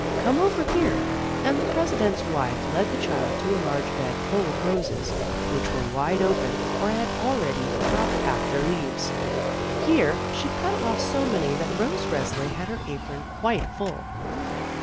Come over here." And the President's wife led the child to a large bed full of roses which were wide open or had already dropped half their leaves. Here she Cut oflf so many that Rose Resli had her apron quite full.